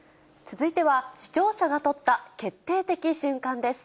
続いては、視聴者が撮った決定的瞬間です。